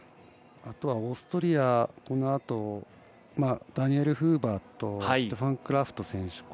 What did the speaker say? あとはオーストリアがこのあとダニエル・フーバーとシュテファン・クラフト選手